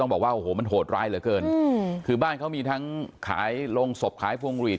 บอกว่าโอ้โหมันโหดร้ายเหลือเกินคือบ้านเขามีทั้งขายโรงศพขายพวงหลีด